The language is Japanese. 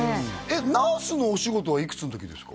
「ナースのお仕事」はいくつの時ですか？